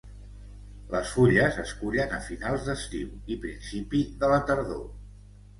Les fulles es cullen a finals d'estiu i principi de la tardor.